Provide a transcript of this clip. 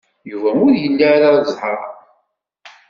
Yuba ur ili ara zzheṛ.